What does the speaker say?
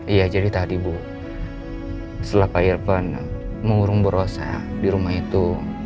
iya jadi tadi bu setelah pak irfan mengurung berosa di rumah itu